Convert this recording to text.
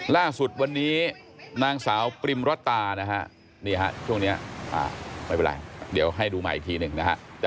ล่าสุดวันนี้นางสาวปริมรตานะฮะช่วงนี้ไม่เป็นไรเดี๋ยวให้ดูใหม่อีกทีหนึ่งนะฮะ